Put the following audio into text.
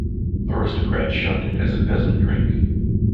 Aristocrats shunned it as a peasant drink.